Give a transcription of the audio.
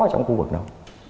trong khu vực đâu